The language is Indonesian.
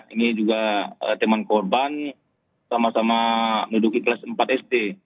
ini juga teman korban sama sama menduduki kelas empat sd